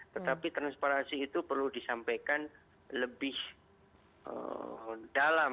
tetapi transparansi itu perlu disampaikan lebih dalam